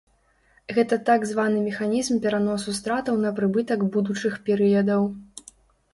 Гэта так званы механізм пераносу стратаў на прыбытак будучых перыядаў.